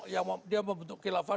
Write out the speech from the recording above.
yang dia membentuk kilapah